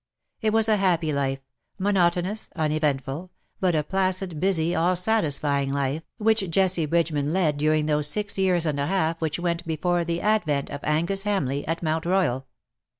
It was a happy life — monotonous, uneventful, but a placid, busy, all satisfying life, which Jessie Bridgeman led during those six years and a half which went before the advent of Angus Hamleigh at Mount Royal.